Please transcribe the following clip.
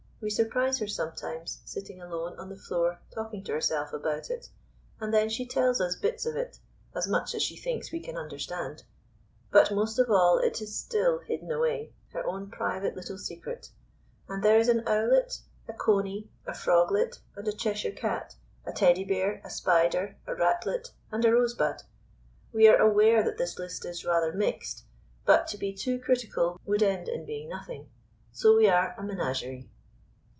We surprise her sometimes, sitting alone on the floor talking to herself about it; and then she tells us bits of it as much as she thinks we can understand. But most of it is still hidden away, her own private little secret. And there is an Owlet, a Coney, a Froglet, and a Cheshire Cat, a Teddy bear, a Spider, a Ratlet, and a Rosebud. We are aware that this list is rather mixed; but to be too critical would end in being nothing, so we are a Menagerie.